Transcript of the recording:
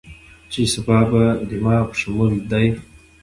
چې سبا به دما په شمول دې